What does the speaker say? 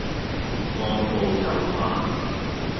按部就班